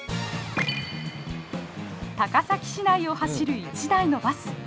高崎市内を走る一台のバス。